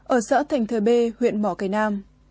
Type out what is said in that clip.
ở xã thành thời b huyện mỏ cải nam